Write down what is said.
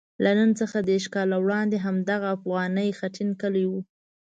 له نن څخه دېرش کاله وړاندې همدغه افغاني خټین کلی وو.